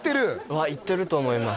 はいってると思います